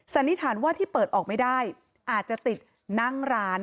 สันนิษฐานว่าที่เปิดออกไม่ได้อาจจะติดนั่งร้าน